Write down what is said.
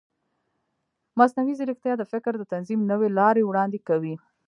مصنوعي ځیرکتیا د فکر د تنظیم نوې لارې وړاندې کوي.